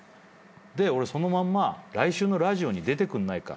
で俺そのまんま「来週のラジオに出てくんないか？」